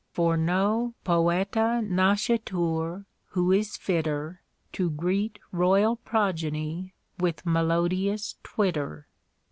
For no poeta nascitur who is fitter To greet Royal progeny with melodious twitter.